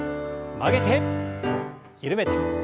曲げて緩めて。